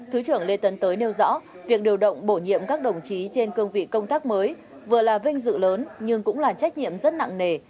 thứ trưởng lê tấn tới nêu rõ việc điều động bổ nhiệm các đồng chí trên cương vị công tác mới vừa là vinh dự lớn nhưng cũng là trách nhiệm rất nặng nề